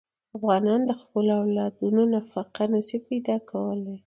افغانان د خپلو اولادونو نفقه نه شي پیدا کولی.